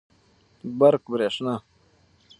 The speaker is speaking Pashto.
برق √ بريښنا